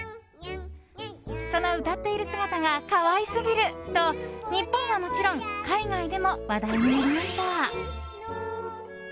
その歌っている姿が可愛すぎると日本はもちろん海外でも話題になりました。